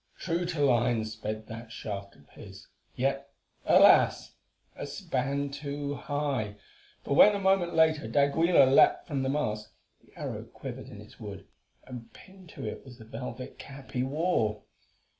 True to line sped that shaft of his, yet, alas! a span too high, for when a moment later d'Aguilar leapt from the mast, the arrow quivered in its wood, and pinned to it was the velvet cap he wore.